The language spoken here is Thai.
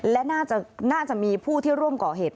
และน่าจะมีผู้ที่ร่วมก่อเหตุ